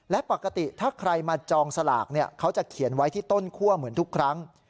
และปกติถ้าใครมาจองสลากเขาจะเขียนไว้ที่ต้นคั่วเหมือนทุกครั้ง